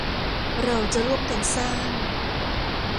เราจะร่วมกันสร้าง